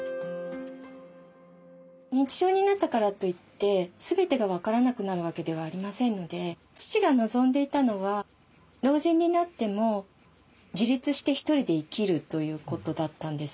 認知症になったからといって全てが分からなくなるわけではありませんので父が望んでいたのは老人になっても自立して一人で生きるということだったんです。